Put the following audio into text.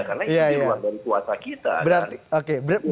karena itu di luar dari kuasa kita